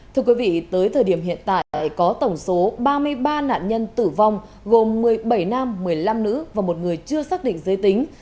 thưa quý vị tới thời điểm hiện tại có tổng số ba mươi ba nạn nhân tử vong gồm một mươi bảy nam một mươi năm nữ và một người chưa xác định giới tính